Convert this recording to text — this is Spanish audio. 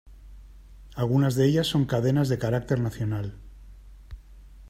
Algunas de ellas son cadenas de carácter nacional.